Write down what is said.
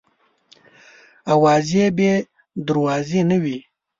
اوازې بې دروازې نه وي.